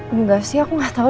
enggak sih aku gak tau